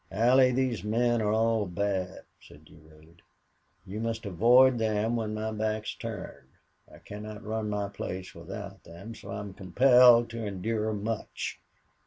"Allie, these men are all bad," said Durade. "You must avoid them when my back's turned. I cannot run my place without them, so I am compelled to endure much."